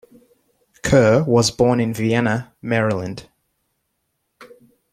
Kerr was born in Vienna, Maryland.